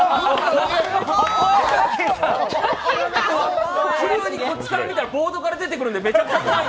ちなみにこっちから見たらボードから出てくるんでめっちゃこわい。